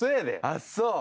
あっそう。